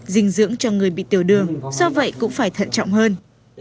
dinh dưỡng cho người bị tiểu đường do vậy cũng phải thận trọng hơn